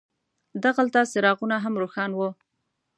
دغلته څراغونه هم روښان وو.